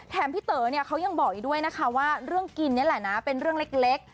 พี่เต๋อเนี่ยเขายังบอกอีกด้วยนะคะว่าเรื่องกินนี่แหละนะเป็นเรื่องเล็ก